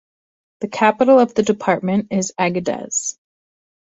The capital of the department is Agadez.